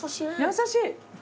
優しい！